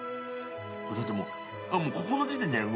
これだってもうここの時点でうまい。